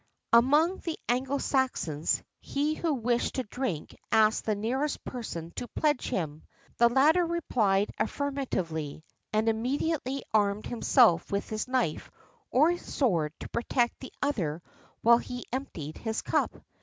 [XXXIV 24] Among the Anglo Saxons, he who wished to drink asked the nearest person to pledge him. The latter replied affirmatively, and immediately armed himself with his knife or his sword to protect the other while he emptied his cup.